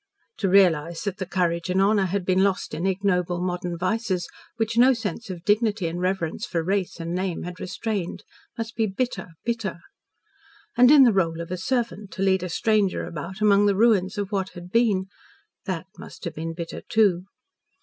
To realise that the courage and honour had been lost in ignoble modern vices, which no sense of dignity and reverence for race and name had restrained must be bitter bitter! And in the role of a servant to lead a stranger about among the ruins of what had been that must have been bitter, too.